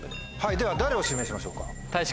では誰を指名しましょうか？